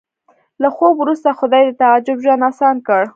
له خوب وروسته خدای د تعجب ژوند اسان کړ